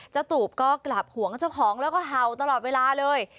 ตูบก็กลับห่วงเจ้าของแล้วก็เห่าตลอดเวลาเลย